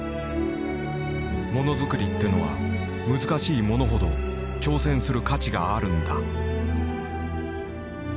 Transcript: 「物作りってのは難しいものほど挑戦する価値があるんだ」。